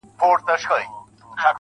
خو دده زامي له يخه څخه رېږدي.